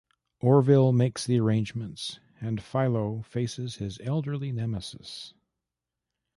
Orville makes the arrangements, and Philo faces his elderly nemesis.